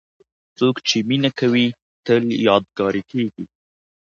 څوک چې مینه کوي، تل یادګاري کېږي.